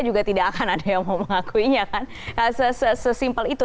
juga tidak akan ada yang mau mengakuinya kan sesimpel itu